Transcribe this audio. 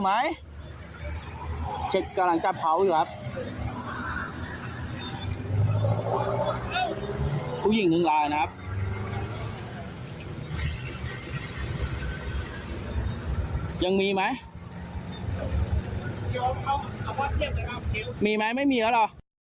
มีไหมไม่มีแล้วหรอ